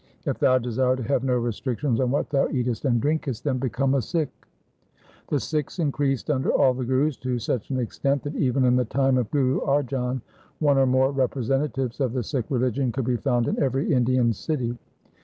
If thou desire to have no restrictions on what thou eatest and drinkest, then become a Sikh.' 220 THE SIKH RELIGION The Sikhs increased under all the Gurus to such an extent that even in the time of Guru Arjan one or more representatives of the Sikh religion could be found in every Indian city.